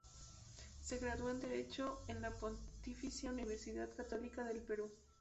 Se graduó en derecho en la Pontificia Universidad Católica del Perú.